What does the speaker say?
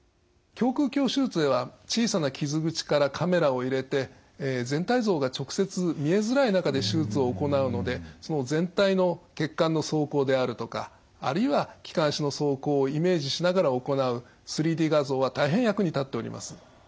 胸腔鏡手術では小さな傷口からカメラを入れて全体像が直接見えづらい中で手術を行うので全体の血管の走行であるとかあるいは気管支の走行をイメージしながら行う３Ｄ画像は大変役に立っております。